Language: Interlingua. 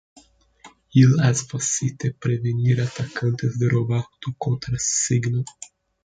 Il es facile prevenir attaccantes de robar tu contrasigno.